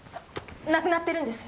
なくなってるんです！